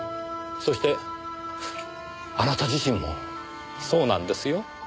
そしてあなた自身もそうなんですよ。